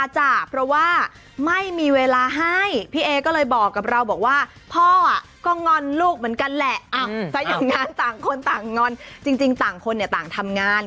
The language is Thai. จริงต่างคนเนี่ยต่างทำงาน